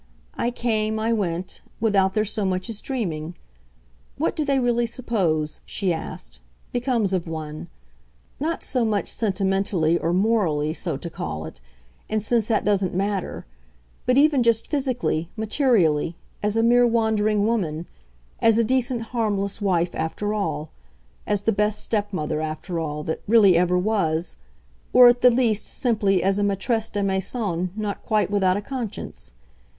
I came, I went without their so much as dreaming. What do they really suppose," she asked, "becomes of one? not so much sentimentally or morally, so to call it, and since that doesn't matter; but even just physically, materially, as a mere wandering woman: as a decent harmless wife, after all; as the best stepmother, after all, that really ever was; or at the least simply as a maitresse de maison not quite without a conscience.